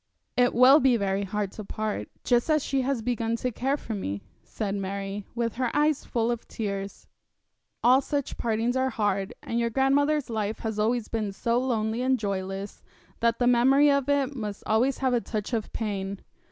'It will be very hard to part, just as she has begun to care for me,' said Mary, with her eyes full of tears. 'All such partings are hard, and your grandmother's life has been so lonely and joyless that the memory of it must always have a touch of pain.